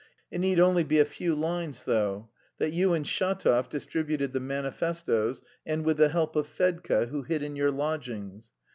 It need only be a few lines, though: that you and Shatov distributed the manifestoes and with the help of Fedka, who hid in your lodgings.